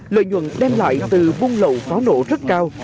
lợi nhuận đem lại từ buôn lậu pháo nổ rất cao